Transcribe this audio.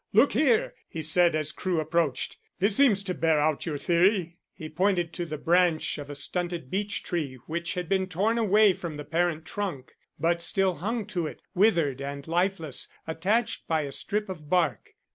"Look here!" he said, as Crewe approached. "This seems to bear out your theory." He pointed to the branch of a stunted beechtree, which had been torn away from the parent trunk, but still hung to it, withered and lifeless, attached by a strip of bark.